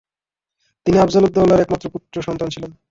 তিনি আফজালউদ্দৌলার একমাত্র পুত্র সন্তান ছিলেন।